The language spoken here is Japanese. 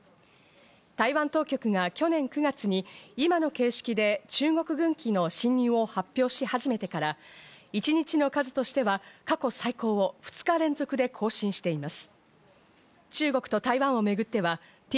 台湾当局が去年９月に今の形式で中国軍機の進入を発表し始めてから一日の数としては過去最高を２日連続で更新しています。